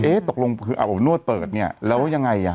ว่าเอ๊ะตกลงคืออาบออกนวดเปิดเนี่ยแล้วยังไงอ่ะ